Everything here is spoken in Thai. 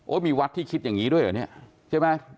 มีวัดที่คิดอย่างนี้ด้วยเหรอเนี่ยใช่ไหม